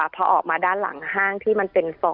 อ๋อประมาณ๑๐กิโล